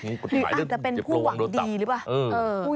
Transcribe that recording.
หรืออาจจะเป็นผู้หวังดีหรือเปล่า